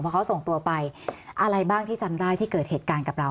พอเขาส่งตัวไปอะไรบ้างที่จำได้ที่เกิดเหตุการณ์กับเรา